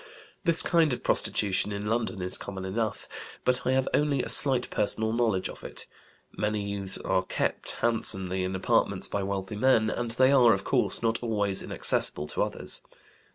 This kind of prostitution in London is common enough, but I have only a slight personal knowledge of it. Many youths are 'kept' handsomely in apartments by wealthy men, and they are, of course, not always inaccessible to others.